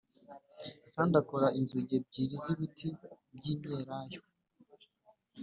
Kandi akora inzugi ebyiri z ibiti by imyelayo